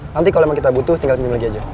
nanti kalau kita butuh tinggal pindahin lagi aja